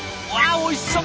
おいしそう。